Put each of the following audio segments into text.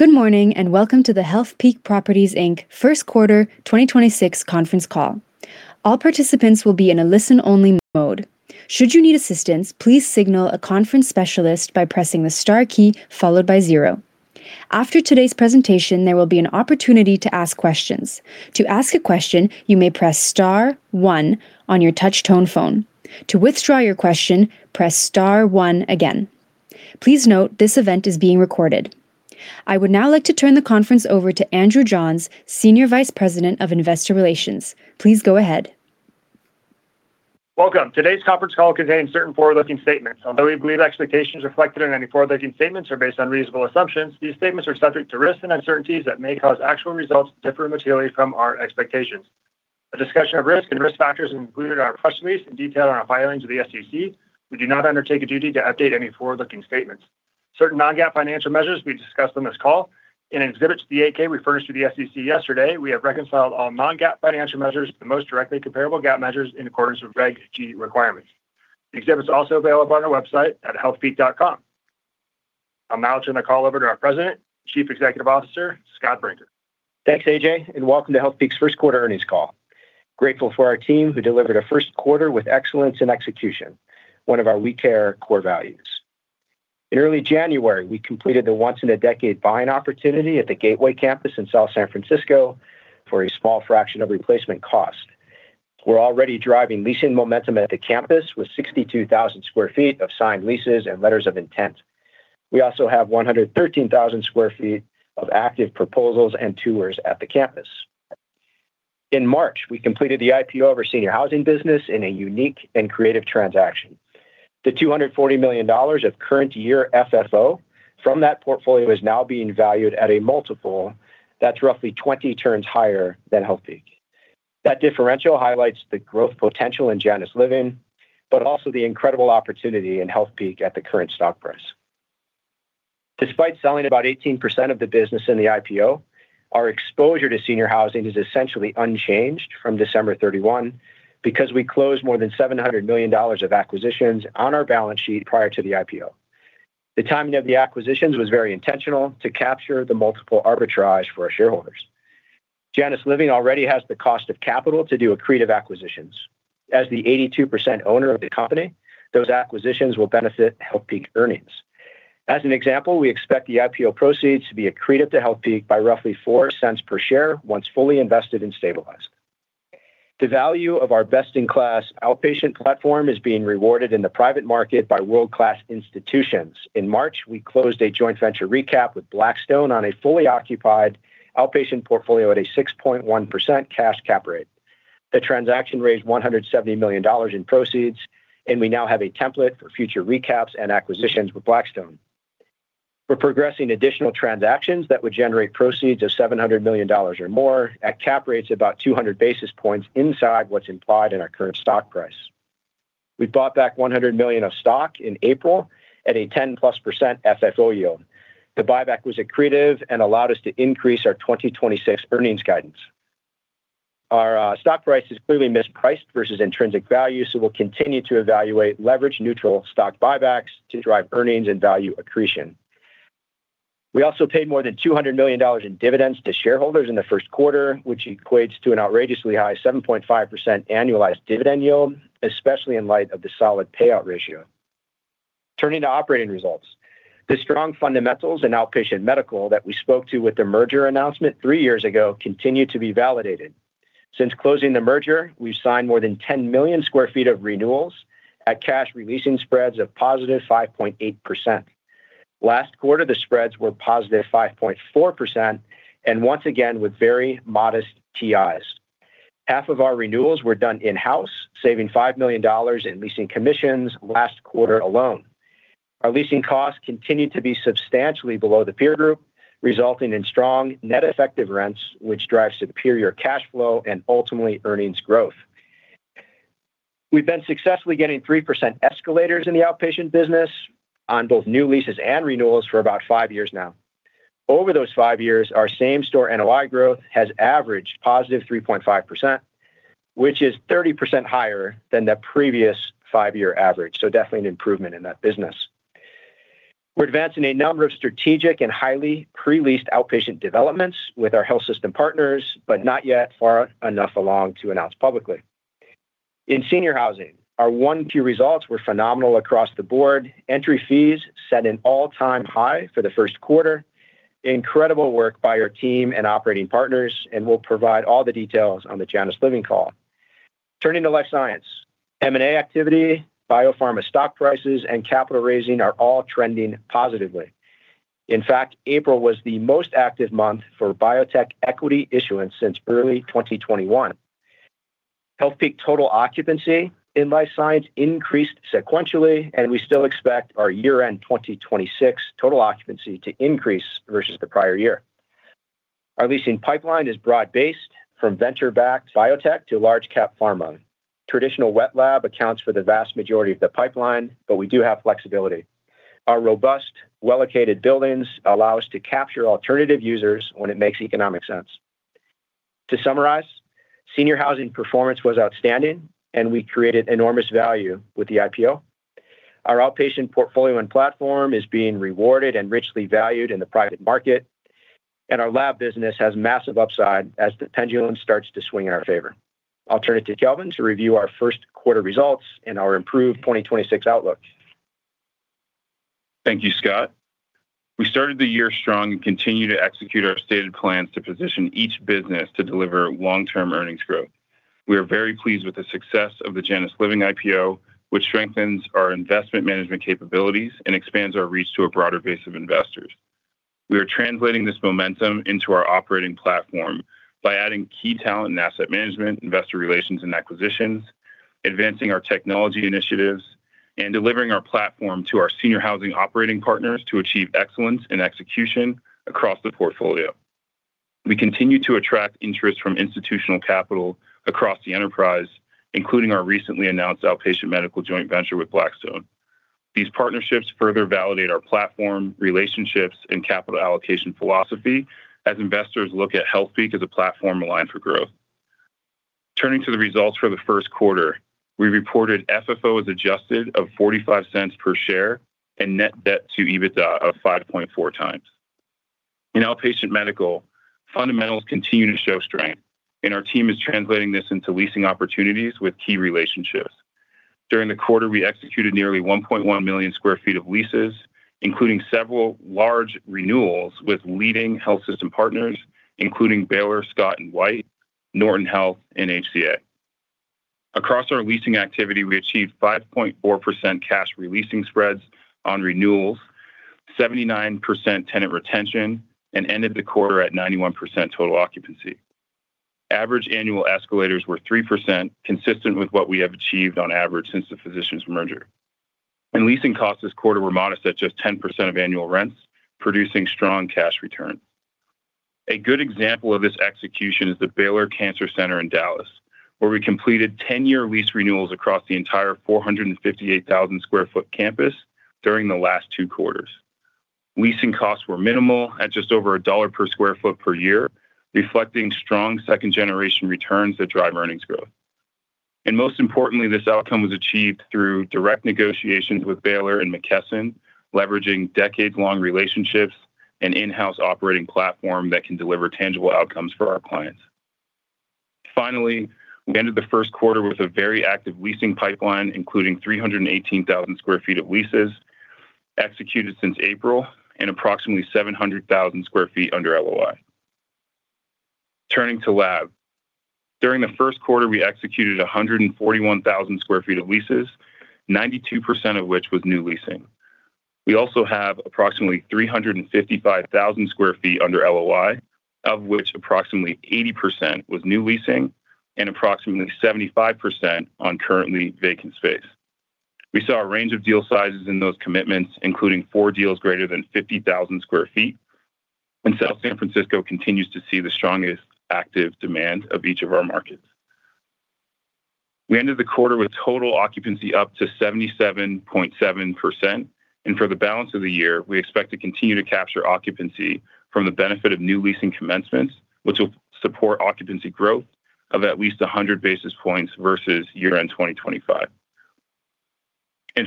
Good morning, and welcome to the Healthpeak Properties Inc. First quarter 2026 conference call. All participants will be in a listen-only mode. Should you need assistance, please signal a conference specialist by pressing the star key followed by zero. After today's presentation, there will be an opportunity to ask questions. To ask a question, you may press star one on your touch-tone phone. To withdraw your question, press star one again. Please note, this event is being recorded. I would now like to turn the conference over to Andrew Johns, Senior Vice President of Investor Relations. Please go ahead. Welcome. Today's conference call contains certain forward-looking statements. Although we believe expectations reflected in any forward-looking statements are based on reasonable assumptions, these statements are subject to risks and uncertainties that may cause actual results to differ materially from our expectations. A discussion of risks and risk factors is included in our press release and detailed in our filings with the SEC. We do not undertake a duty to update any forward-looking statements. Certain non-GAAP financial measures, we discuss on this call. In an exhibit to the 8-K we furnished to the SEC yesterday, we have reconciled all non-GAAP financial measures to the most directly comparable GAAP measures in accordance with Regulation G requirements. The exhibit's also available on our website at healthpeak.com. I'll now turn the call over to our President, Chief Executive Officer, Scott Brinker. Thanks, AJ, and welcome to Healthpeak's first quarter earnings call. Grateful for our team who delivered a first quarter with excellence and execution, one of our WE CARE core values. In early January, we completed the once-in-a-decade buying opportunity at the Gateway campus in South San Francisco for a small fraction of replacement cost. We're already driving leasing momentum at the campus with 62,000 sq ft of signed leases and letters of intent. We also have 113,000 sq ft of active proposals and tours at the campus. In March, we completed the IPO of our senior housing business in a unique and creative transaction. The $240 million of current year FFO from that portfolio is now being valued at a multiple that's roughly 20 turns higher than Healthpeak. That differential highlights the growth potential in Janus Living, but also the incredible opportunity in Healthpeak at the current stock price. Despite selling about 18% of the business in the IPO, our exposure to senior housing is essentially unchanged from December 31 because we closed more than $700 million of acquisitions on our balance sheet prior to the IPO. The timing of the acquisitions was very intentional to capture the multiple arbitrage for our shareholders. Janus Living already has the cost of capital to do accretive acquisitions. As the 82% owner of the company, those acquisitions will benefit Healthpeak earnings. As an example, we expect the IPO proceeds to be accretive to Healthpeak by roughly $0.04 per share once fully invested and stabilized. The value of our best-in-class outpatient platform is being rewarded in the private market by world-class institutions. In March, we closed a joint venture recap with Blackstone on a fully occupied outpatient portfolio at a 6.1% cash cap rate. The transaction raised $170 million in proceeds, and we now have a template for future recaps and acquisitions with Blackstone. We're progressing additional transactions that would generate proceeds of $700 million or more at cap rates about 200 basis points inside what's implied in our current stock price. We bought back $100 million of stock in April at a 10%+ FFO yield. The buyback was accretive and allowed us to increase our 2026 earnings guidance. Our stock price is clearly mispriced versus intrinsic value, so we'll continue to evaluate leverage-neutral stock buybacks to drive earnings and value accretion. We also paid more than $200 million in dividends to shareholders in the first quarter, which equates to an outrageously high 7.5% annualized dividend yield, especially in light of the solid payout ratio. Turning to operating results. The strong fundamentals in outpatient medical that we spoke to with the merger announcement three years ago continue to be validated. Since closing the merger, we've signed more than 10 million sq ft of renewals at cash releasing spreads of positive 5.8%. Last quarter, the spreads were positive 5.4% and once again with very modest TIs. Half of our renewals were done in-house, saving $5 million in leasing commissions last quarter alone. Our leasing costs continued to be substantially below the peer group, resulting in strong net effective rents, which drives superior cash flow and ultimately earnings growth. We've been successfully getting 3% escalators in the outpatient business on both new leases and renewals for about five years now. Over those five years, our same-store NOI growth has averaged positive 3.5%, which is 30% higher than the previous five-year average. Definitely an improvement in that business. We're advancing a number of strategic and highly pre-leased outpatient developments with our health system partners, but not yet far enough along to announce publicly. In senior housing, our 1Q results were phenomenal across the board. Entry fees set an all-time high for the first quarter. Incredible work by our team and operating partners, we'll provide all the details on the Janus Living call. Turning to life science. M&A activity, biopharma stock prices, and capital raising are all trending positively. In fact, April was the most active month for biotech equity issuance since early 2021. Healthpeak total occupancy in life science increased sequentially, and we still expect our year-end 2026 total occupancy to increase versus the prior year. Our leasing pipeline is broad-based, from venture-backed biotech to large cap pharma. Traditional wet lab accounts for the vast majority of the pipeline, but we do have flexibility. Our robust, well-located buildings allow us to capture alternative users when it makes economic sense. To summarize, senior housing performance was outstanding, and we created enormous value with the IPO. Our outpatient portfolio and platform is being rewarded and richly valued in the private market. Our lab business has massive upside as the pendulum starts to swing in our favor. I'll turn it to Kelvin to review our first quarter results and our improved 2026 outlook. Thank you, Scott. We started the year strong and continue to execute our stated plans to position each business to deliver long-term earnings growth. We are very pleased with the success of the Janus Living IPO, which strengthens our investment management capabilities and expands our reach to a broader base of investors. We are translating this momentum into our operating platform by adding key talent and asset management, investor relations, and acquisitions, advancing our technology initiatives, and delivering our platform to our senior housing operating partners to achieve excellence and execution across the portfolio. We continue to attract interest from institutional capital across the enterprise, including our recently announced Outpatient Medical joint venture with Blackstone. These partnerships further validate our platform, relationships, and capital allocation philosophy as investors look at Healthpeak as a platform aligned for growth. Turning to the results for the first quarter, we reported FFO adjusted of $0.45 per share and net debt to EBITDA of 5.4x. In outpatient medical, fundamentals continue to show strength, and our team is translating this into leasing opportunities with key relationships. During the quarter, we executed nearly 1.1 million sq ft of leases, including several large renewals with leading health system partners, including Baylor Scott & White, Norton Health, and HCA. Across our leasing activity, we achieved 5.4% cash re-leasing spreads on renewals, 79% tenant retention, and ended the quarter at 91% total occupancy. Average annual escalators were 3%, consistent with what we have achieved on average since the Physicians merger. Leasing costs this quarter were modest at just 10% of annual rents, producing strong cash return. A good example of this execution is the Baylor Cancer Center in Dallas, where we completed 10-year lease renewals across the entire 458,000 sq ft campus during the last two quarters. Leasing costs were minimal at just over $1 per sq ft per year, reflecting strong second generation returns that drive earnings growth. Most importantly, this outcome was achieved through direct negotiations with Baylor and McKesson, leveraging decades-long relationships and in-house operating platform that can deliver tangible outcomes for our clients. Finally, we ended the first quarter with a very active leasing pipeline, including 318,000 sq ft of leases executed since April and approximately 700,000 sq ft under LOI. Turning to lab. During the first quarter, we executed 141,000 sq ft of leases, 92% of which was new leasing. We also have approximately 355,000 sq ft under LOI, of which approximately 80% was new leasing and approximately 75% on currently vacant space. We saw a range of deal sizes in those commitments, including four deals greater than 50,000 sq ft, and South San Francisco continues to see the strongest active demand of each of our markets. We ended the quarter with total occupancy up to 77.7%. For the balance of the year, we expect to continue to capture occupancy from the benefit of new leasing commencements, which will support occupancy growth of at least 100 basis points versus year-end 2025.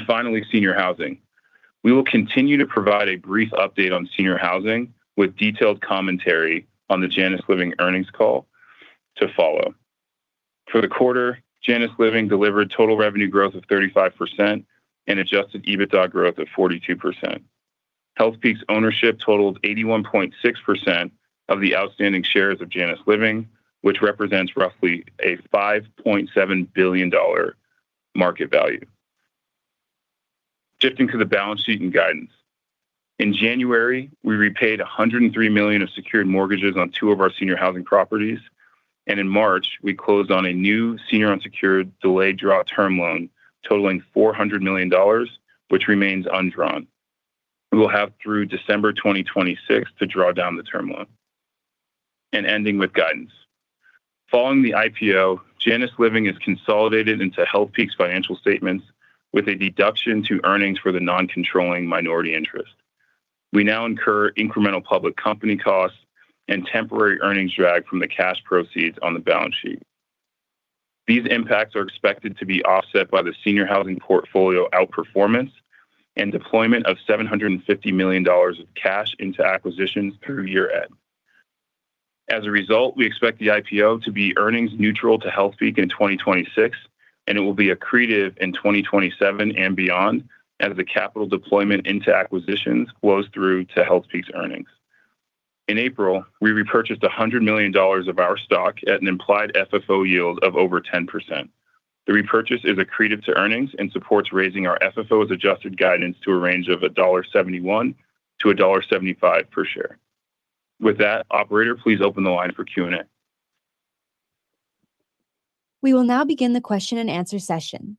Finally, senior housing. We will continue to provide a brief update on senior housing with detailed commentary on the Janus Living earnings call to follow. For the quarter, Janus Living delivered total revenue growth of 35% and adjusted EBITDA growth of 42%. Healthpeak's ownership totaled 81.6% of the outstanding shares of Janus Living, which represents roughly a $5.7 billion market value. Shifting to the balance sheet and guidance. In January, we repaid $103 million of secured mortgages on two of our senior housing properties. In March, we closed on a new senior unsecured delayed draw term loan totaling $400 million, which remains undrawn. We will have through December 2026 to draw down the term loan. Ending with guidance. Following the IPO, Janus Living is consolidated into Healthpeak's financial statements with a deduction to earnings for the non-controlling minority interest. We now incur incremental public company costs and temporary earnings drag from the cash proceeds on the balance sheet. These impacts are expected to be offset by the senior housing portfolio outperformance and deployment of $750 million of cash into acquisitions through year-end. As a result, we expect the IPO to be earnings neutral to Healthpeak in 2026, and it will be accretive in 2027 and beyond as the capital deployment into acquisitions flows through to Healthpeak's earnings. In April, we repurchased $100 million of our stock at an implied FFO yield of over 10%. The repurchase is accretive to earnings and supports raising our FFO's adjusted guidance to a range of $1.71-$1.75 per share. With that, operator, please open the line for Q&A. We will now begin the question-and-answer session.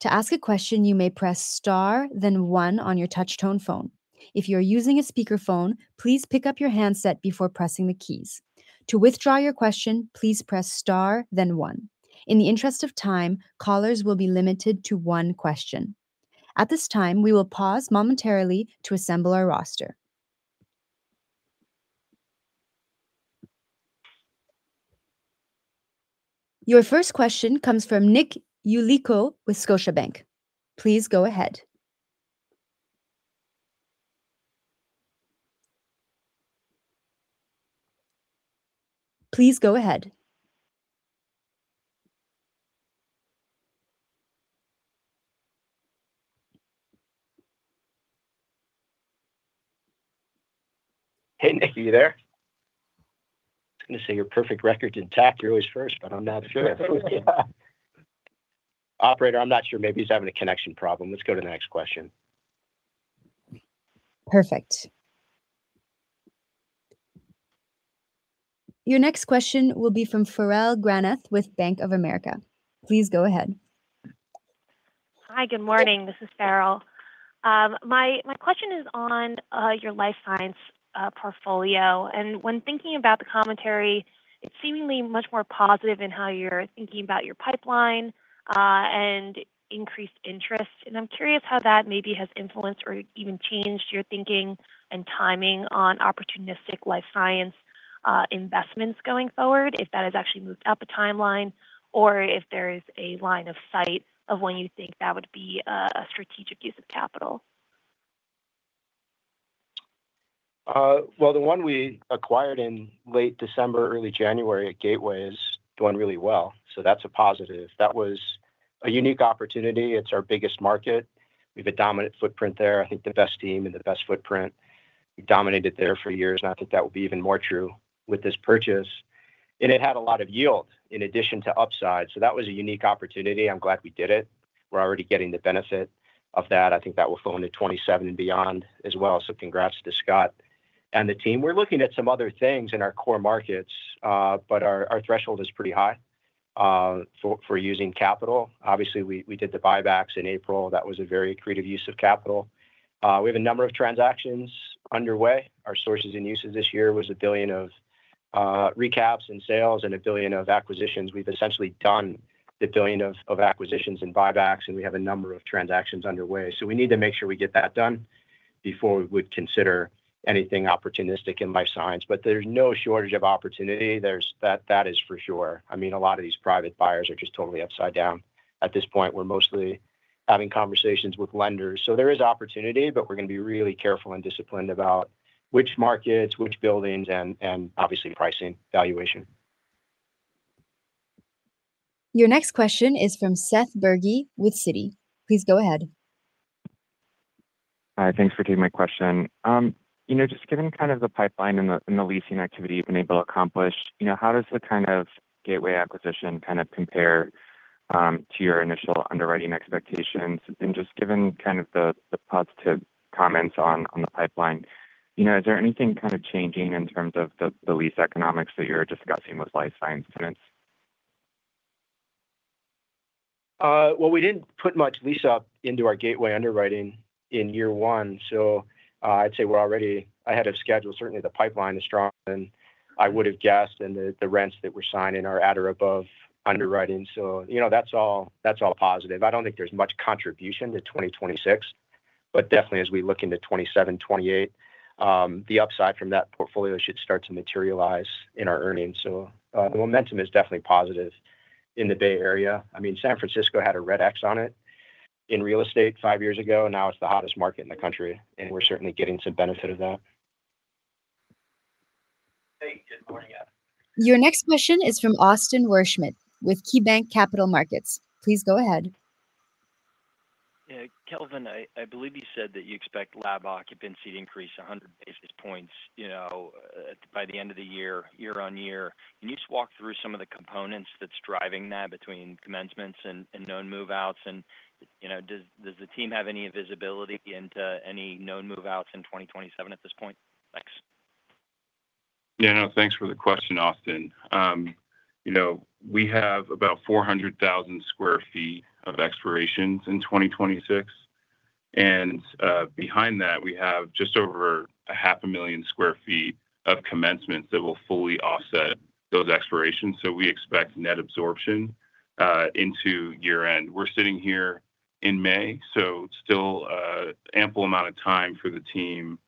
To ask a question, you may press star then one on your touch tone phone. If you are using a speakerphone, please pick up your handset before pressing the keys. To withdraw your question, please press star then one. In the interest of time, callers will be limited to one question At this time, we will pause momentarily to assemble our roster. Your first question comes from Nick Yulico with Scotiabank. Please go ahead. Hey, Nick. Are you there? I was gonna say your perfect record's intact, you're always first, but I'm not sure. Operator, I'm not sure. Maybe he's having a connection problem. Let's go to the next question. Perfect. Your next question will be from Farrell Granath with Bank of America. Please go ahead. Hi. Good morning. This is Farrell. My question is on your life science portfolio. When thinking about the commentary, it's seemingly much more positive in how you're thinking about your pipeline, and increased interest. I'm curious how that maybe has influenced or even changed your thinking and timing on opportunistic life science investments going forward, if that has actually moved up a timeline, or if there is a line of sight of when you think that would be a strategic use of capital. Well, the one we acquired in late December, early January at Gateway is doing really well. That's a positive. That was a unique opportunity. It's our biggest market. We have a dominant footprint there. I think the best team and the best footprint. We dominated there for years. I think that will be even more true with this purchase. It had a lot of yield in addition to upside. That was a unique opportunity. I'm glad we did it. We're already getting the benefit of that. I think that will flow into 2027 and beyond as well. Congrats to Scott and the team. We're looking at some other things in our core markets. Our threshold is pretty high for using capital. Obviously, we did the buybacks in April. That was a very creative use of capital. We have a number of transactions underway. Our sources and uses this year was $1 billion of recaps and sales and $1 billion of acquisitions. We've essentially done the $1 billion of acquisitions and buybacks, and we have a number of transactions underway. We need to make sure we get that done before we would consider anything opportunistic in life science. There's no shortage of opportunity. That is for sure. I mean, a lot of these private buyers are just totally upside down. At this point, we're mostly having conversations with lenders. There is opportunity, but we're gonna be really careful and disciplined about which markets, which buildings, and obviously pricing, valuation. Your next question is from Seth Bergey with Citi. Please go ahead. Hi. Thanks for taking my question. You know, just given kind of the pipeline and the, and the leasing activity you've been able to accomplish, you know, how does the kind of Gateway acquisition kind of compare to your initial underwriting expectations? Just given kind of the positive comments on the pipeline, you know, is there anything kind of changing in terms of the lease economics that you're discussing with life science tenants? Well, we didn't put much lease up into our Gateway underwriting in year one. I'd say we're already ahead of schedule. Certainly, the pipeline is stronger than I would've guessed, and the rents that we're signing are at or above underwriting. You know, that's all, that's all positive. I don't think there's much contribution to 2026, but definitely as we look into 2027, 2028, the upside from that portfolio should start to materialize in our earnings. The momentum is definitely positive in the Bay Area. I mean, San Francisco had a red x on it in real estate five years ago, and now it's the hottest market in the country, and we're certainly getting some benefit of that. Hey, good morning, guys. Your next question is from Austin Wurschmidt with KeyBanc Capital Markets. Please go ahead. Yeah. Kelvin, I believe you said that you expect lab occupancy to increase 100 basis points, you know, by the end of the year-on-year. Can you just walk through some of the components that's driving that between commencements and known move-outs? You know, does the team have any visibility into any known move-outs in 2027 at this point? Thanks. Yeah, no. Thanks for the question, Austin. You know, we have about 400,000 sq ft of expirations in 2026. Behind that, we have just over a 500,000 sq ft of commencement that will fully offset those expirations. We expect net absorption into year-end. We're sitting here in May. Still a ample amount of time for the team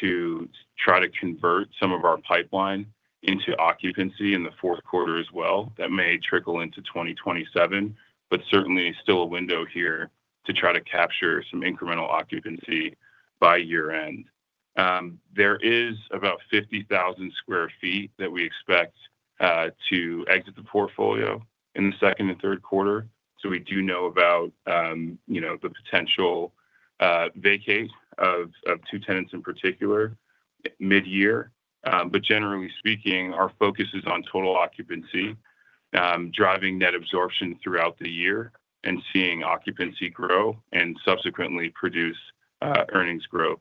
to try to convert some of our pipeline into occupancy in the fourth quarter as well. That may trickle into 2027. Certainly still a window here to try to capture some incremental occupancy by year-end. There is about 50,000 sq ft that we expect to exit the portfolio in the second and third quarter. We do know about, you know, the potential vacate of two tenants in particular mid-year. Generally speaking, our focus is on total occupancy, driving net absorption throughout the year and seeing occupancy grow and subsequently produce earnings growth.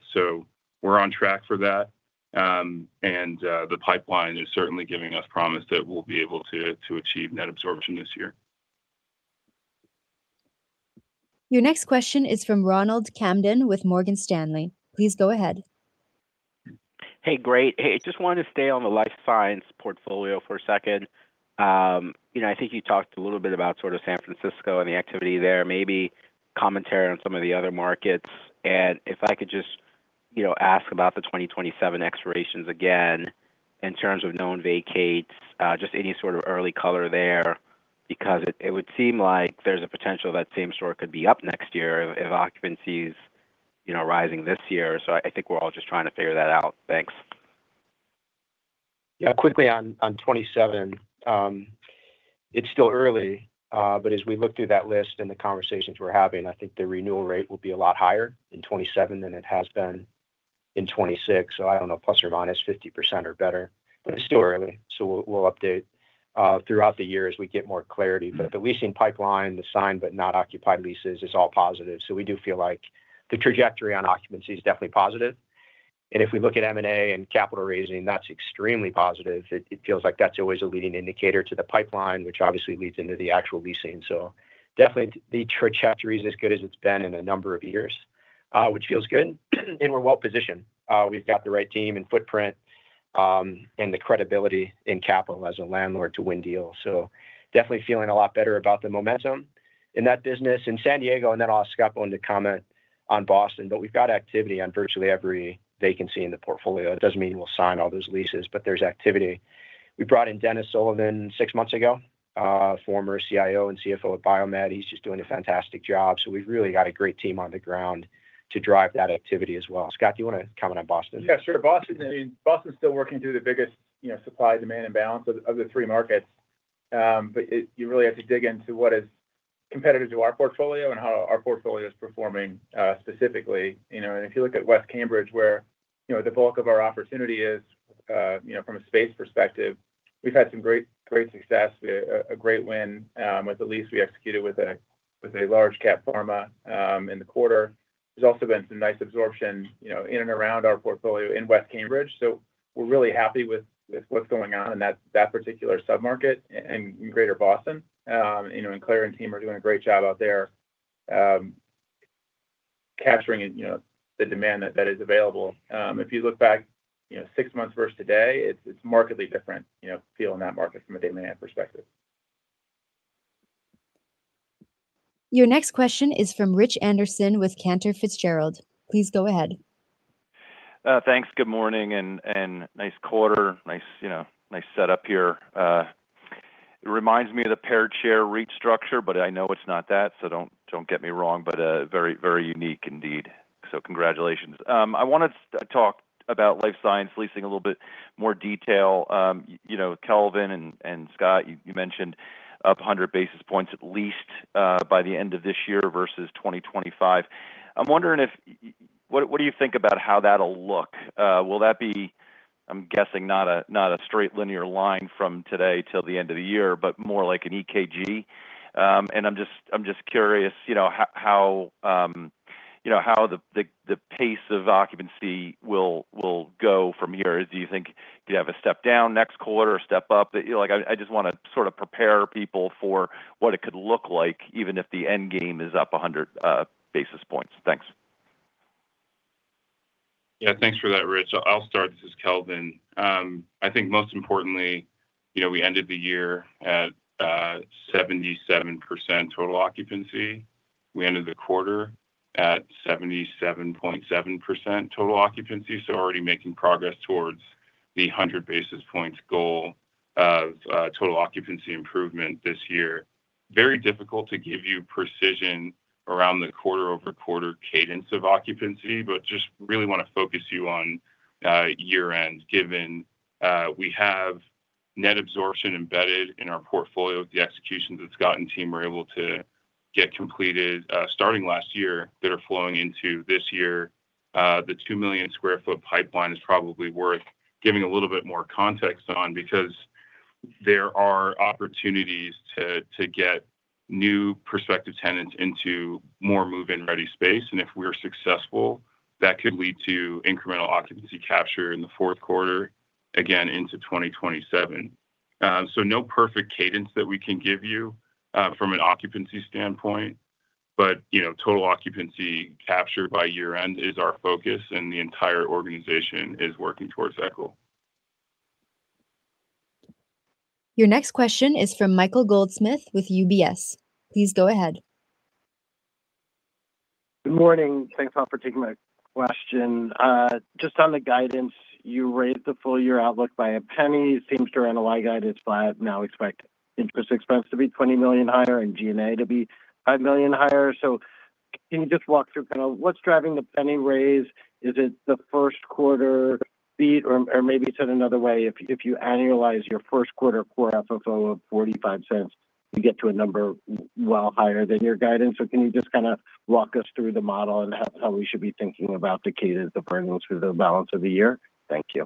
We're on track for that. The pipeline is certainly giving us promise that we'll be able to achieve net absorption this year. Your next question is from Ronald Kamdem with Morgan Stanley. Please go ahead. Hey, great. Hey, just wanted to stay on the life science portfolio for a second. you know, I think you talked a little bit about sort of San Francisco and the activity there, maybe commentary on some of the other markets. If I could just, you know, ask about the 2027 expirations again in terms of known vacates, just any sort of early color there because it would seem like there's a potential that same store could be up next year if occupancy is, you know, rising this year. I think we're all just trying to figure that out. Thanks. Yeah, quickly on 2027. It's still early, but as we look through that list and the conversations we're having, I think the renewal rate will be a lot higher in 2027 than it has been in 2026. I don't know, plus or minus 50% or better. It's still early, so we'll update throughout the year as we get more clarity. The leasing pipeline, the signed but not occupied leases is all positive. We do feel like the trajectory on occupancy is definitely positive. If we look at M&A and capital raising, that's extremely positive. It feels like that's always a leading indicator to the pipeline, which obviously leads into the actual leasing. Definitely the trajectory is as good as it's been in a number of years, which feels good, and we're well positioned. We've got the right team and footprint, and the credibility in capital as a landlord to win deals. Definitely feeling a lot better about the momentum in that business in San Diego, and then I'll ask Scott Bohn to comment on Boston. We've got activity on virtually every vacancy in the portfolio. That doesn't mean we'll sign all those leases, but there's activity. We brought in Denis Sullivan six months ago, a former CIO and CFO at BioMed Realty. He's just doing a fantastic job, so we've really got a great team on the ground to drive that activity as well. Scott, do you want to comment on Boston? Yeah, sure. Boston, I mean Boston is still working through the biggest, you know, supply, demand imbalance of the three markets. You really have to dig into what is competitive to our portfolio and how our portfolio is performing specifically. You know, if you look at West Cambridge where, you know, the bulk of our opportunity is, you know, from a space perspective, we've had some great success. We, a great win with the lease we executed with a large cap pharma in the quarter. There's also been some nice absorption, you know, in and around our portfolio in West Cambridge, we're really happy with what's going on in that particular sub-market and in greater Boston. You know, Claire and team are doing a great job out there, capturing it, you know, the demand that is available. If you look back, you know, six months versus today, it's markedly different, you know, feel in that market from a demand perspective. Your next question is from Rich Anderson with Cantor Fitzgerald. Please go ahead. Thanks. Good morning and nice quarter. Nice, you know, nice setup here. It reminds me of the paired share REIT structure, but I know it's not that, so don't get me wrong, but very unique indeed, so congratulations. I wanted to talk about life science leasing a little bit more detail. You know, Kelvin and Scott, you mentioned up 100 basis points at least by the end of this year versus 2025. I'm wondering what do you think about how that'll look? Will that be, I'm guessing not a straight linear line from today till the end of the year, but more like an EKG? I'm just curious, you know, how, you know, how the pace of occupancy will go from here. Do you think you have a step down next quarter or step up? You know, like I just wanna sort of prepare people for what it could look like even if the end game is up 100 basis points. Thanks. Yeah, thanks for that, Rich. I'll start. This is Kelvin. I think most importantly, you know, we ended the year at 77% total occupancy. We ended the quarter at 77.7% total occupancy, already making progress towards the 100 basis points goal of total occupancy improvement this year. Very difficult to give you precision around the quarter-over-quarter cadence of occupancy, just really wanna focus you on year end, given we have net absorption embedded in our portfolio with the executions that Scott and team were able to get completed, starting last year that are flowing into this year. The 2 million sq ft pipeline is probably worth giving a little bit more context on because there are opportunities to get new prospective tenants into more move-in-ready space. If we're successful, that could lead to incremental occupancy capture in the fourth quarter, again into 2027. No perfect cadence that we can give you from an occupancy standpoint, but you know, total occupancy captured by year end is our focus, the entire organization is working towards that goal. Your next question is from Michael Goldsmith with UBS. Please go ahead. Good morning. Thanks all for taking my question. Just on the guidance, you raised the full year outlook by $0.01. It seems your annualized guide is flat, now expect interest expense to be $20 million higher and G&A to be $5 million higher. Can you just walk through kind of what's driving the $0.01 raise? Is it the first quarter beat or maybe said another way, if you annualize your first quarter core FFO of $0.45, you get to a number way higher than your guidance. Can you just kind of walk us through the model and how we should be thinking about the cadence of earnings through the balance of the year? Thank you.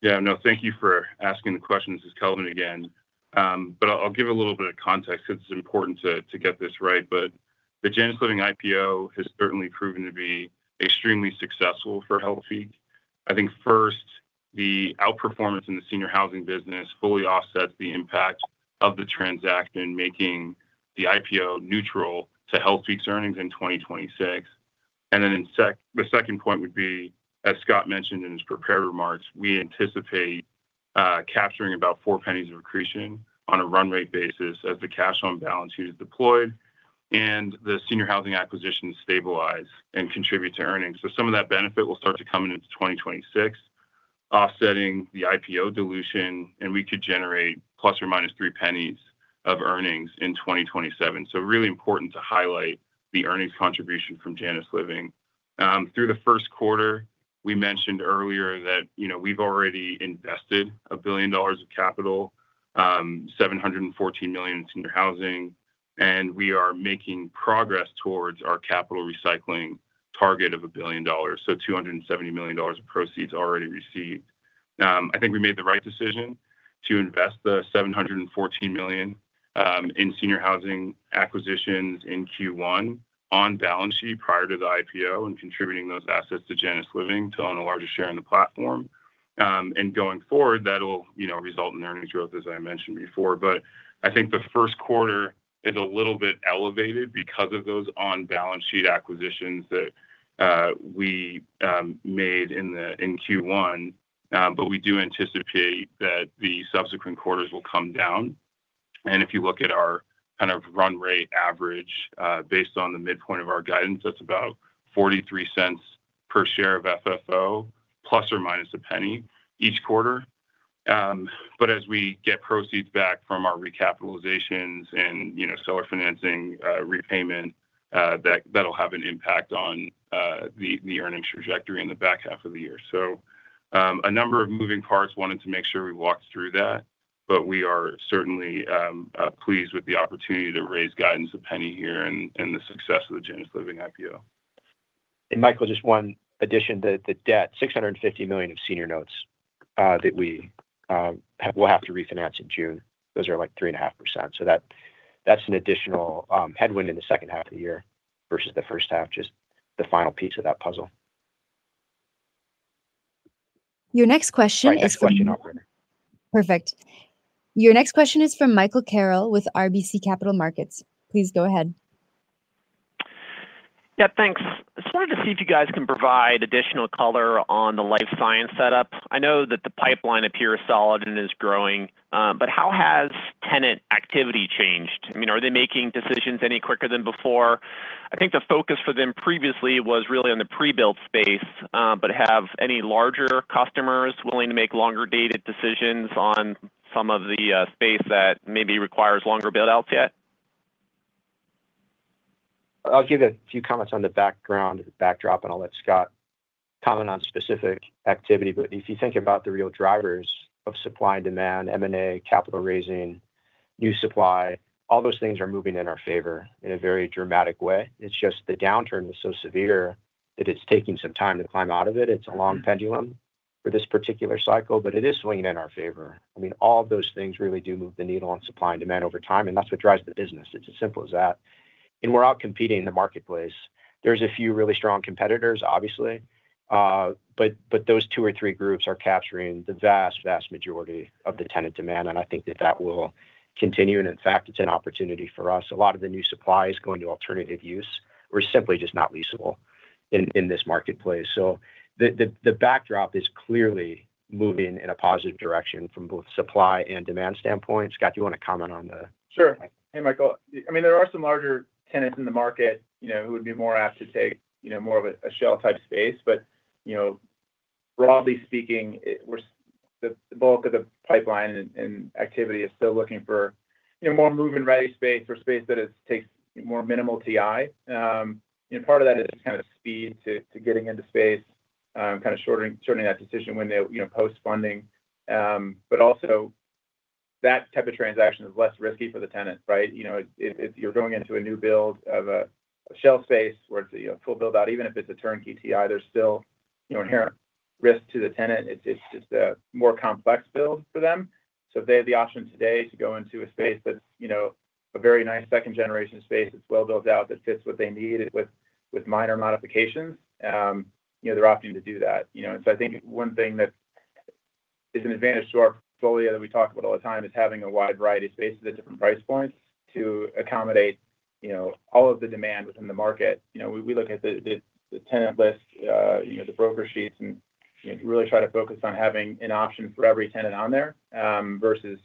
Yeah, no, thank you for asking the question. This is Kelvin again. I'll give a little bit of context because it's important to get this right. The Janus Living IPO has certainly proven to be extremely successful for Healthpeak. The outperformance in the senior housing business fully offsets the impact of the transaction, making the IPO neutral to Healthpeak's earnings in 2026. The second point would be, as Scott mentioned in his prepared remarks, we anticipate capturing about $0.04 of accretion on a run rate basis as the cash on balance sheet is deployed and the senior housing acquisitions stabilize and contribute to earnings. Some of that benefit will start to come in in 2026, offsetting the IPO dilution, and we could generate ±$0.03 of earnings in 2027. Really important to highlight the earnings contribution from Janus Living. Through the first quarter, we mentioned earlier that, you know, we've already invested $1 billion of capital, $714 million in senior housing. We are making progress towards our capital recycling target of $1 billion. $270 million of proceeds already received. I think we made the right decision to invest the $714 million in senior housing acquisitions in Q1 on balance sheet prior to the IPO and contributing those assets to Janus Living to own a larger share in the platform. Going forward, that'll, you know, result in earnings growth, as I mentioned before. I think the first quarter is a little bit elevated because of those on-balance sheet acquisitions that we made in Q1. We do anticipate that the subsequent quarters will come down. If you look at our kind of run rate average, based on the midpoint of our guidance, that's about $0.43 per share of FFO, plus or minus $0.01 each quarter. As we get proceeds back from our recapitalizations and, you know, seller financing, repayment, that'll have an impact on the earnings trajectory in the back half of the year. A number of moving parts, wanted to make sure we walked through that, but we are certainly pleased with the opportunity to raise guidance $0.01 here and the success of the Janus Living IPO. Michael, just one addition. The debt, $650 million of senior notes, that we will have to refinance in June. Those are like 3.5%. That's an additional headwind in the second half of the year versus the first half, just the final piece of that puzzle. Your next question is from- All right. Next question operator. Perfect. Your next question is from Michael Carroll with RBC Capital Markets. Please go ahead. Yeah, thanks. Just wanted to see if you guys can provide additional color on the life science setup. I know that the pipeline appears solid and is growing. How has tenant activity changed? I mean, are they making decisions any quicker than before? I think the focus for them previously was really on the pre-built space. Have any larger customers willing to make longer dated decisions on some of the space that maybe requires longer build outs yet? I'll give a few comments on the background, backdrop, and I'll let Scott comment on specific activity. If you think about the real drivers of supply and demand, M&A, capital raising, new supply, all those things are moving in our favor in a very dramatic way. It's just the downturn was so severe that it's taking some time to climb out of it. It's a long pendulum for this particular cycle, it is swinging in our favor. I mean, all of those things really do move the needle on supply and demand over time, and that's what drives the business. It's as simple as that. We're out competing in the marketplace. There's a few really strong competitors, obviously. Those two or three groups are capturing the vast majority of the tenant demand, and I think that that will continue, and in fact, it's an opportunity for us. A lot of the new supply is going to alternative use or is simply just not leasable in this marketplace. The backdrop is clearly moving in a positive direction from both supply and demand standpoint. Scott, do you want to comment on the- Sure. Hey, Michael. I mean, there are some larger tenants in the market, you know, who would be more apt to take, you know, more of a shell type space. Broadly speaking, we're the bulk of the pipeline and activity is still looking for, you know, more move-in-ready space or space that takes more minimal TI. You know, part of that is kind of speed to getting into space, shortening that decision when they, you know, post-funding. Also that type of transaction is less risky for the tenant, right? You know, if you're going into a new build of a shell space where it's a, you know, full build-out, even if it's a turn-key TI, there's still, you know, inherent risk to the tenant. It's just a more complex build for them. If they have the option today to go into a space that's, you know, a very nice second generation space that's well built out, that fits what they need with minor modifications, you know, they're opting to do that, you know. I think one thing that is an advantage to our portfolio that we talk about all the time is having a wide variety of spaces at different price points to accommodate, you know, all of the demand within the market. You know, we look at the tenant list, you know, the broker sheets and, you know, really try to focus on having an option for every tenant on there versus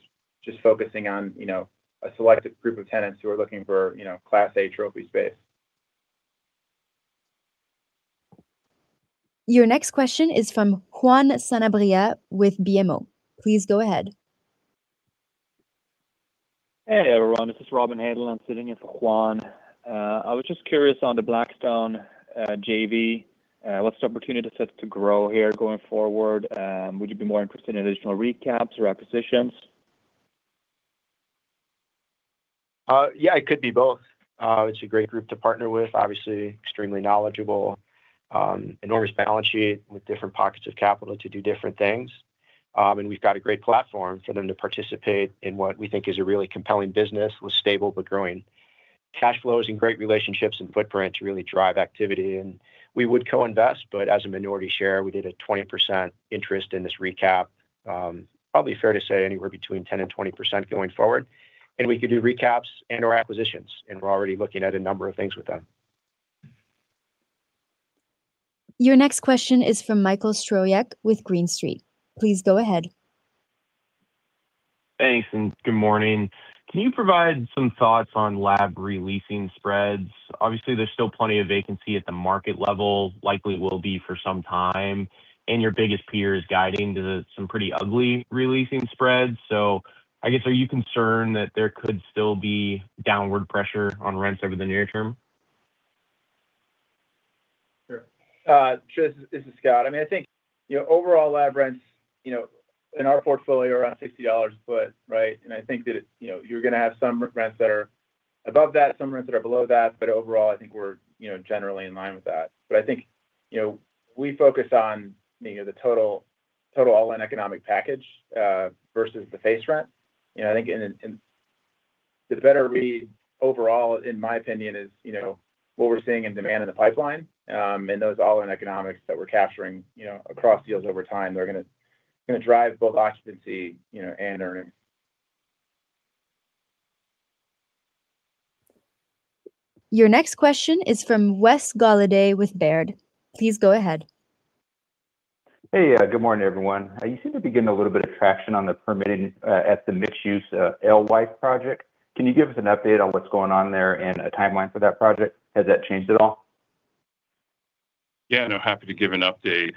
just focusing on, you know, a selective group of tenants who are looking for, you know, Class A trophy space. Your next question is from Juan Sanabria with BMO. Please go ahead. Hey, everyone. This is Robin Haneland sitting in for Juan. I was just curious on the Blackstone JV. What's the opportunity set to grow here going forward? Would you be more interested in additional recaps or acquisitions? Yeah, it could be both. It's a great group to partner with, obviously extremely knowledgeable. Enormous balance sheet with different pockets of capital to do different things. We've got a great platform for them to participate in what we think is a really compelling business with stable but growing Cash flows and great relationships and footprint to really drive activity. We would co-invest, but as a minority share, we did a 20% interest in this recap. Probably fair to say anywhere between 10% and 20% going forward. We could do recaps and/or acquisitions, and we're already looking at a number of things with them. Your next question is from Michael Stroyeck with Green Street. Please go ahead. Thanks, good morning. Can you provide some thoughts on lab re-leasing spreads? Obviously, there's still plenty of vacancy at the market level, likely will be for some time. Your biggest peer is guiding to some pretty ugly re-leasing spreads. I guess, are you concerned that there could still be downward pressure on rents over the near term? Sure. Sure. This is Scott. I mean, I think, you know, overall lab rents, you know, in our portfolio are around $60 a foot, right? I think that it's, you know, you're gonna have some rents that are above that, some rents that are below that. Overall, I think we're, you know, generally in line with that. I think, you know, we focus on maybe the total all-in economic package versus the face rent. You know, I think the better read overall, in my opinion, is, you know, what we're seeing in demand in the pipeline. Those all-in economics that we're capturing, you know, across deals over time. They're gonna drive both occupancy, you know, and earning. Your next question is from Wes Golladay with Baird. Please go ahead. Hey. Good morning, everyone. You seem to be getting a little bit of traction on the permitting, at the mixed use, Alewife project. Can you give us an update on what's going on there and a timeline for that project? Has that changed at all? Yeah. No, happy to give an update.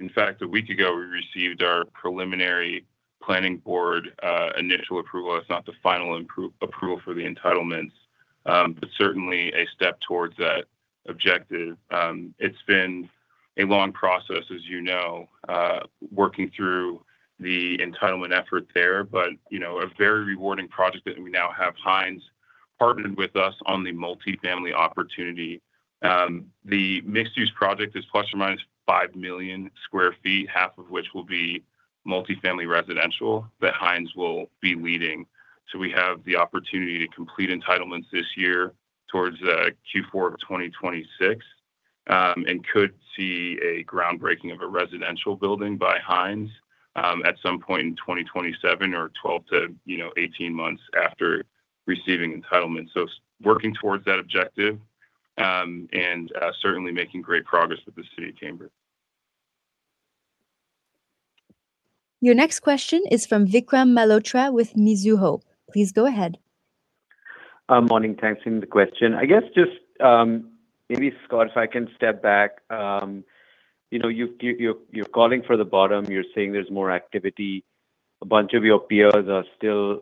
In fact, a week ago, we received our preliminary planning board initial approval. It's not the final approval for the entitlements, but certainly a step towards that objective. It's been a long process, as you know, working through the entitlement effort there. You know, a very rewarding project that we now have Hines partnered with us on the multi-family opportunity. The mixed use project is ±5 million sq ft, half of which will be multi-family residential that Hines will be leading. We have the opportunity to complete entitlements this year towards Q4 of 2026, and could see a groundbreaking of a residential building by Hines at some point in 2027 or 12 to, you know, 18 months after receiving entitlement. Working towards that objective, and certainly making great progress with the city chamber. Your next question is from Vikram Malhotra with Mizuho. Please go ahead. Morning. Thanks. In the question. I guess just, maybe, Scott, if I can step back. You know, you're calling for the bottom, you're saying there's more activity. A bunch of your peers are still,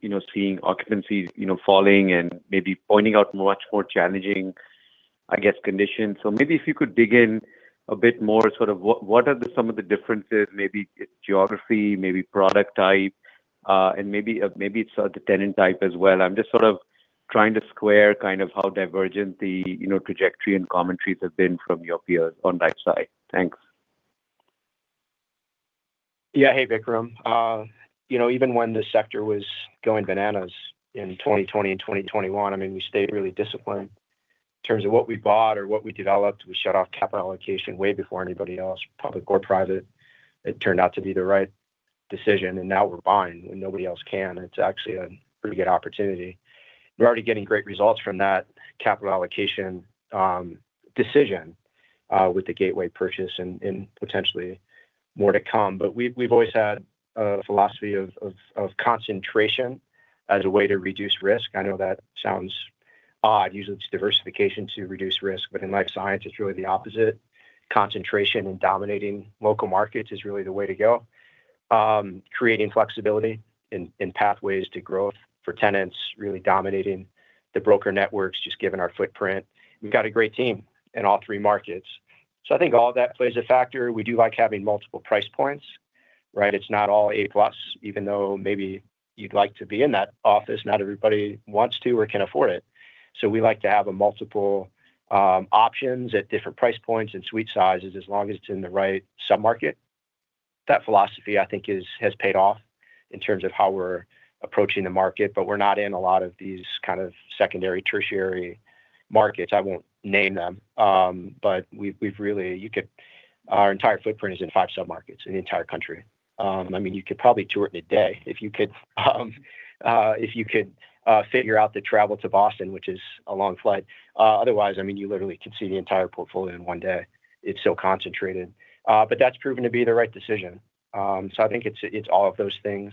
you know, seeing occupancies, you know, falling and maybe pointing out much more challenging, I guess, conditions. Maybe if you could dig in a bit more, sort of what are the some of the differences, maybe geography, maybe product type, and maybe it's, the tenant type as well. I'm just sort of trying to square kind of how divergent the, you know, trajectory and commentaries have been from your peers on that side. Thanks. Yeah. Hey, Vikram. you know, even when the sector was going bananas in 2020 and 2021, I mean, we stayed really disciplined in terms of what we bought or what we developed. We shut off capital allocation way before anybody else, public or private. It turned out to be the right decision. Now we're buying when nobody else can. It's actually a pretty good opportunity. We're already getting great results from that capital allocation decision with the Gateway purchase and potentially more to come. We've always had a philosophy of concentration as a way to reduce risk. I know that sounds odd. Usually, it's diversification to reduce risk. In life science, it's really the opposite. Concentration and dominating local markets is really the way to go. Creating flexibility in pathways to growth for tenants, really dominating the broker networks, just given our footprint. We've got a great team in all three markets. I think all that plays a factor. We do like having multiple price points, right? It's not all A+. Even though maybe you'd like to be in that office, not everybody wants to or can afford it. We like to have a multiple options at different price points and suite sizes, as long as it's in the right submarket. That philosophy, I think has paid off in terms of how we're approaching the market, but we're not in a lot of these kind of secondary, tertiary markets. I won't name them. We've really Our entire footprint is in five submarkets in the entire country. I mean, you could probably tour it in a day if you could figure out the travel to Boston, which is a long flight. Otherwise, I mean, you literally could see the entire portfolio in one day. It's so concentrated. That's proven to be the right decision. I think it's all of those things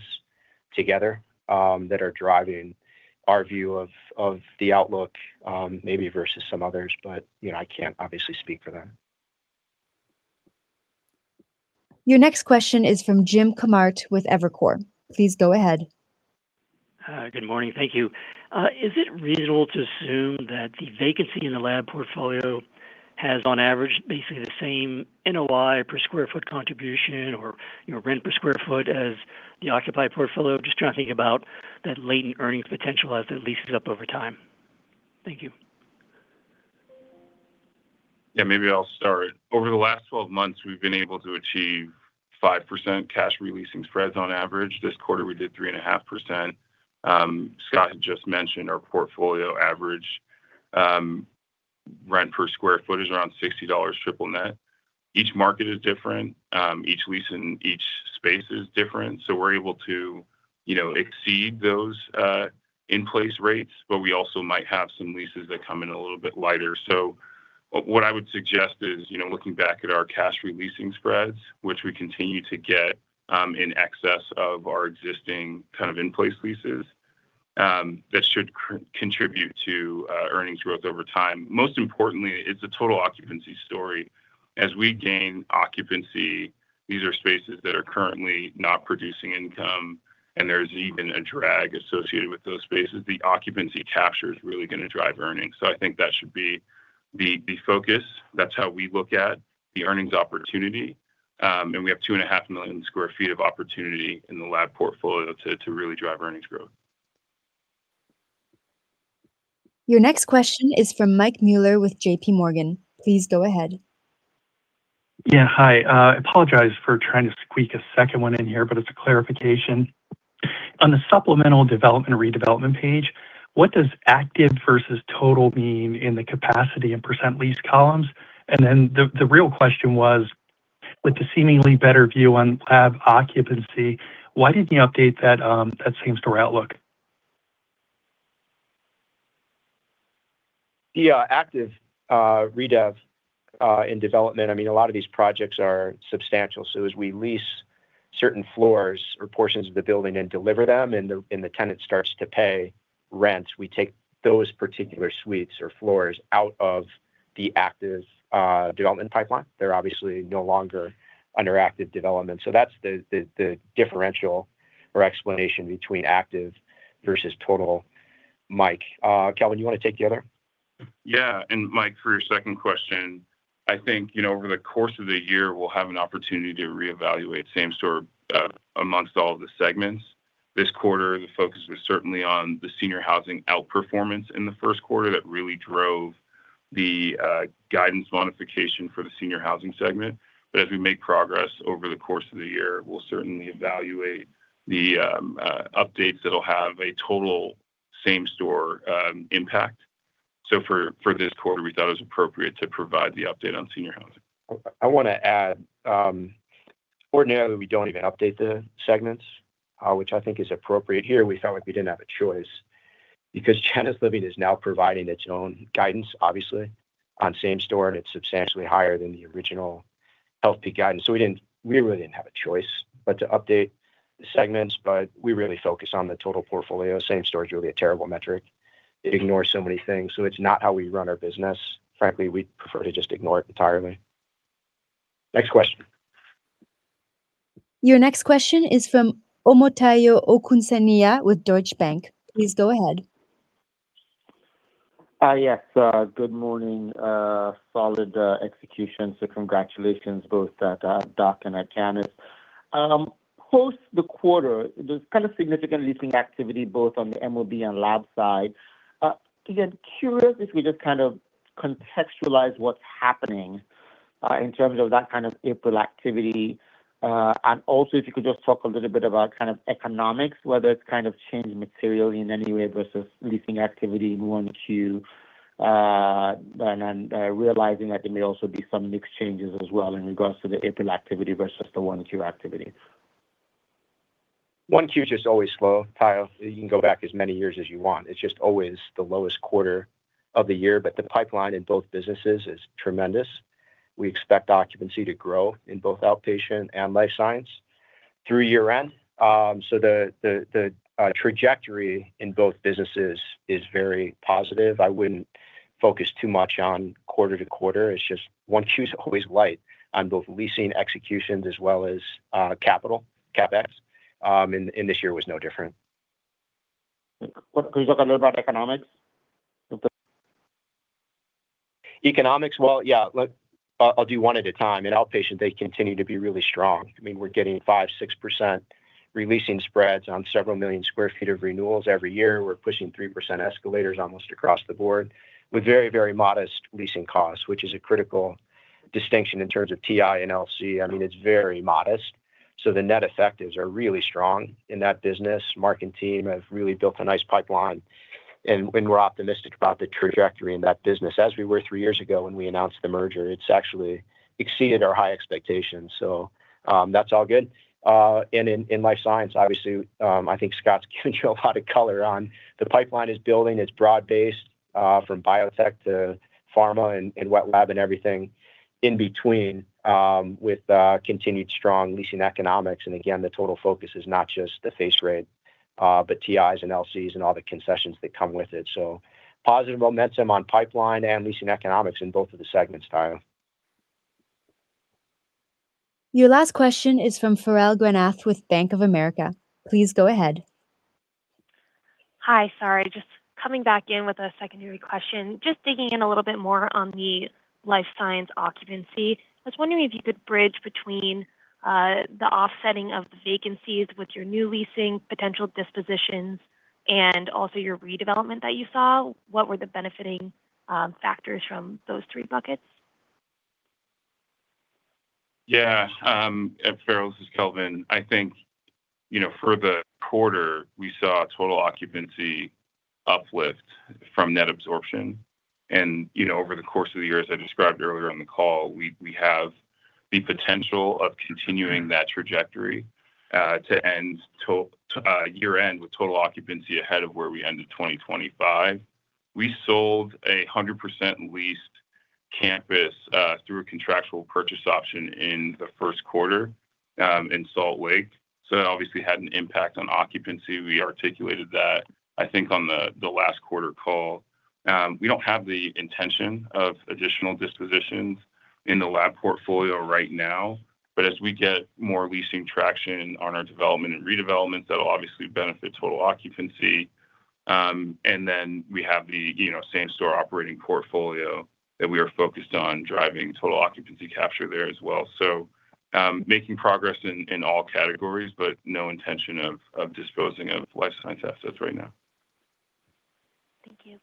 together that are driving our view of the outlook, maybe versus some others. You know, I can't obviously speak for them. Your next question is from Jim Kammert with Evercore. Please go ahead. Good morning. Thank you. Is it reasonable to assume that the vacancy in the lab portfolio has, on average, basically the same NOI per square foot contribution or, you know, rent per square foot as the occupied portfolio? Just trying to think about that latent earning potential as it leases up over time. Thank you. Yeah, maybe I'll start. Over the last 12 months, we've been able to achieve 5% cash releasing spreads on average. This quarter we did 3.5%. Scott had just mentioned our portfolio average rent per square foot is around $60 triple net. Each market is different. Each lease in each space is different. We're able to, you know, exceed those in-place rates, but we also might have some leases that come in a little bit lighter. What I would suggest is, you know, looking back at our cash re-leasing spreads, which we continue to get in excess of our existing kind of in-place leases, that should contribute to earnings growth over time. Most importantly, it's a total occupancy story. As we gain occupancy, these are spaces that are currently not producing income, and there's even a drag associated with those spaces. The occupancy capture is really going to drive earnings. I think that should be the focus. That's how we look at the earnings opportunity. We have 2.5 million sq ft of opportunity in the lab portfolio to really drive earnings growth. Your next question is from Mike Mueller with JPMorgan. Please go ahead. Yeah. Hi. I apologize for trying to squeak a second one in here, but it's a clarification. On the supplemental development and redevelopment page, what does active versus total mean in the capacity and percent lease columns? The real question was, with the seemingly better view on lab occupancy, why didn't you update that same store outlook? The active re-dev in development, I mean, a lot of these projects are substantial. As we lease certain floors or portions of the building and deliver them, and the, and the tenant starts to pay rent, we take those particular suites or floors out of the active development pipeline. They're obviously no longer under active development. That's the differential or explanation between active versus total, Mike. Kelvin, you wanna take the other? Mike, for your second question, I think, you know, over the course of the year, we'll have an opportunity to reevaluate same store amongst all of the segments. This quarter, the focus was certainly on the senior housing outperformance in the first quarter that really drove the guidance modification for the senior housing segment. As we make progress over the course of the year, we'll certainly evaluate the updates that'll have a total same store impact. For this quarter, we thought it was appropriate to provide the update on senior housing. I wanna add, ordinarily we don't even update the segments, which I think is appropriate. Here, we felt like we didn't have a choice because Janus Living is now providing its own guidance, obviously, on same store, and it's substantially higher than the original Healthpeak guidance. We didn't, we really didn't have a choice but to update the segments. We really focus on the total portfolio. Same store is really a terrible metric. It ignores so many things. It's not how we run our business. Frankly, we'd prefer to just ignore it entirely. Next question. Your next question is from Omotayo Okusanya with Deutsche Bank. Please go ahead. Yes. Good morning. Solid execution. Congratulations both at DOC and at Kennus. Post the quarter, there's kind of significant leasing activity both on the MOB and lab side. Again, curious if we just kind of contextualize what's happening in terms of that kind of April activity. Also if you could just talk a little bit about kind of economics, whether it's kind of changed materially in any way versus leasing activity in 1Q, and realizing that there may also be some mix changes as well in regards to the April activity versus the 1Q activity. 1Q is just always slow, Tayo. You can go back as many years as you want. It's just always the lowest quarter of the year. The pipeline in both businesses is tremendous. We expect occupancy to grow in both outpatient and life science through year-end. The trajectory in both businesses is very positive. I wouldn't focus too much on quarter to quarter. It's just 1Q's always light on both leasing executions as well as capital, CapEx. This year was no different. Could you talk a little about economics of the. Economics, well, yeah. Look, I'll do one at a time. In outpatient, they continue to be really strong. I mean, we're getting 5%, 6% re-leasing spreads on several million sq ft of renewals every year. We're pushing 3% escalators almost across the board with very, very modest leasing costs, which is a critical distinction in terms of TI and LC. I mean, it's very modest, so the net effectives are really strong in that business. Mark and team have really built a nice pipeline and we're optimistic about the trajectory in that business. As we were three years ago when we announced the merger, it's actually exceeded our high expectations. That's all good. And in life science, obviously, I think Scott's given you a lot of color on the pipeline is building. It's broad-based from biotech to pharma and wet lab and everything in between, with continued strong leasing economics. Again, the total focus is not just the face rate, but TIs and LCs and all the concessions that come with it. Positive momentum on pipeline and leasing economics in both of the segments, Tayo. Your last question is from Farrell Granath with Bank of America. Please go ahead. Hi. Sorry, just coming back in with a secondary question. Just digging in a little bit more on the life science occupancy. I was wondering if you could bridge between the offsetting of the vacancies with your new leasing potential dispositions and also your redevelopment that you saw. What were the benefiting factors from those three buckets? Farrell, this is Kelvin. I think, you know, for the quarter, we saw a total occupancy uplift from net absorption. You know, over the course of the year, as I described earlier on the call, we have the potential of continuing that trajectory to end year-end with total occupancy ahead of where we ended 2025. We sold a 100% leased campus through a contractual purchase option in the first quarter in Salt Lake. That obviously had an impact on occupancy. We articulated that, I think, on the last quarter call. We don't have the intention of additional dispositions in the lab portfolio right now. As we get more leasing traction on our development and redevelopments, that'll obviously benefit total occupancy. We have the, you know, same store operating portfolio that we are focused on driving total occupancy capture there as well. Making progress in all categories, but no intention of disposing of life science assets right now. Thank you.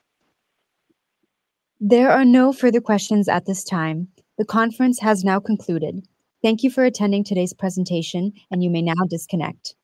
There are no further questions at this time. The conference has now concluded. Thank you for attending today's presentation. You may now disconnect.